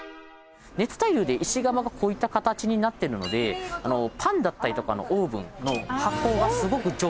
熱タイルで石窯がこういった形になってるのでパンだったりとかのオーブンの発酵がすごく上手なメーカーですね。